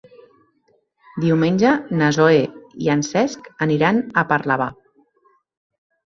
Diumenge na Zoè i en Cesc aniran a Parlavà.